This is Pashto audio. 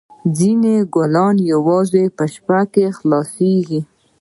ځینې ګلونه یوازې په شپه کې خلاصیږي